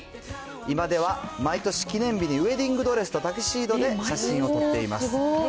今では毎年記念日にウエディングドレスとタキシードで写真を撮っています。